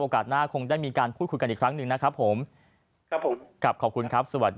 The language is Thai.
โอกาสหน้าคงได้มีการพูดคุยกันอีกครั้งหนึ่งนะครับผม